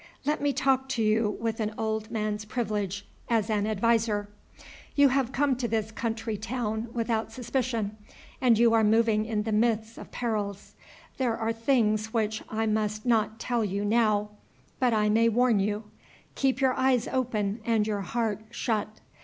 Let me talk to you with an old man's privilege, as an adviser. You have come to this country town without suspicion, and you are moving in the midst of perils. There are things which I must not tell you now; but I may warn you. Keep your eyes open and your heart shut.